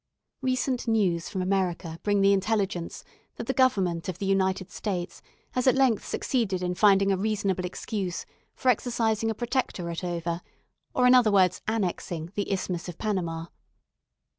Recent news from America bring the intelligence that the Government of the United States has at length succeeded in finding a reasonable excuse for exercising a protectorate over, or in other words annexing, the Isthmus of Panama.